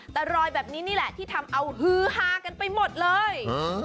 แต่รอยแบบนี้นี่แหละที่ทำเอาฮือฮากันไปหมดเลย